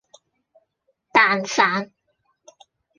蛋散